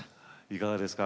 いかがですか？